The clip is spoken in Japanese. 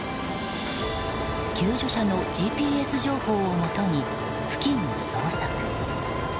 救助者のＧＰＳ情報をもとに付近を捜索。